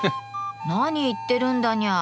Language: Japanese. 何言ってるんだニャー。